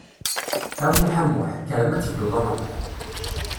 A Muḥ a Muḥ, kker ma tedduḍ ad nṛuḥ.